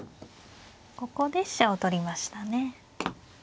ここで飛車を取りましたね。